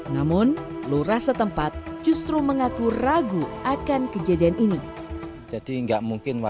namun lurah setempat justru mengaku ragu akan kejadian ini